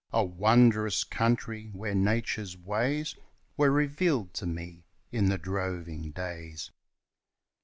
A wondrous country, where Nature's ways Were revealed to me in the droving days.